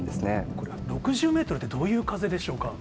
これは６０メートルってどういう風でしょうか。